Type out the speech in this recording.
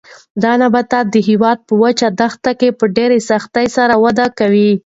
دا نباتات د هېواد په وچو دښتو کې په ډېر سختۍ سره وده کوي.